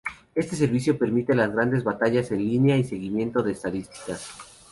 Este servicio permite las grandes batallas en línea y seguimiento de estadísticas.